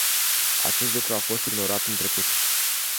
Acest lucru a fost ignorat în trecut.